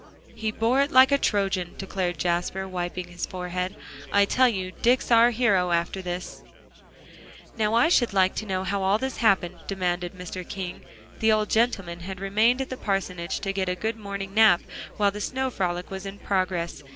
"He bore it like a Trojan," declared Jasper, wiping his forehead. "I tell you, Dick's our hero, after this." "Now I should like to know how all this happened," demanded Mr. King. The old gentleman had remained at the parsonage to get a good morning nap while the snow frolic was in progress.